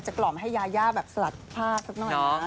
จริงเคยห้ามแบบอยากลง